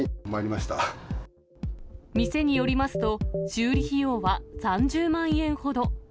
ま店によりますと、修理費用は３０万円ほど。